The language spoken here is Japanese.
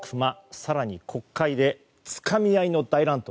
更に国会でつかみ合いの大乱闘。